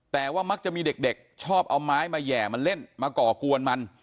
แต่ว่ามักจะมีเด็กชอบเอาไม้มาแห่มาเล่นมาก่อกวนมัน